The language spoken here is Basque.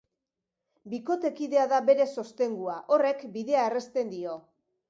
Bikotekidea da bere sostengua, horrek bidea errezten dio.